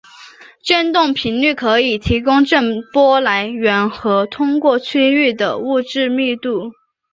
振动频率可以提供震波来源和通过区域的物质密度。